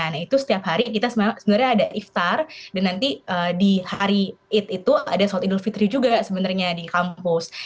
nah itu setiap hari kita sebenarnya ada iftar dan nanti di hari id itu ada sholat idul fitri juga sebenarnya di kampus